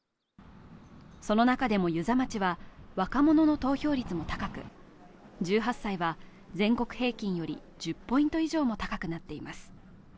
その中でも、遊佐町は若者の投票率も高く１８歳は全国平均より１０ポイント以上も高くなっています。